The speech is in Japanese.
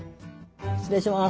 失礼します。